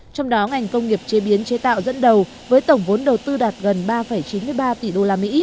trong đó ngành công nghiệp chế biến chế tạo dẫn đầu với tổng vốn đầu tư đạt gần ba chín mươi ba tỷ usd